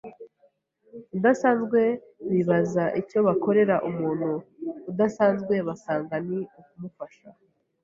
udasanzwe bibaza icyo bakorera umuntu udasanzwe basanga ni ukumufasha,